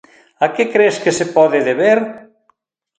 A que cres que se pode deber?